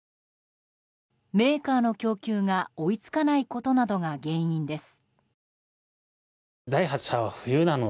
メーカーの供給が追い付かないことなどが原因です。